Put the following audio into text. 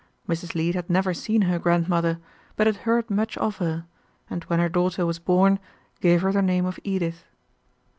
Mrs. Leete had never seen her grandmother, but had heard much of her, and, when her daughter was born, gave her the name of Edith.